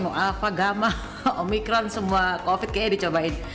mo'afa gamma omikron semua covid kayaknya dicobain